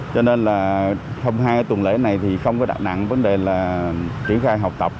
cho nên hôm hai tuần lễ này không đặt nặng vấn đề là triển khai học tập